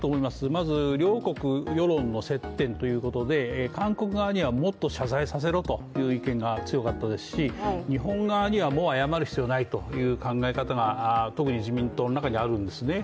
まず、両国世論の接点ということで韓国側にはもっと謝罪させろという意見が強かったですし日本側には、もう謝る必要はないという考え方が特に自民党の中にはあるんですね。